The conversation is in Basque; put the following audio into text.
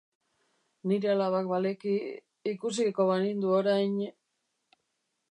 Nire alabak baleki... ikusiko banindu orain...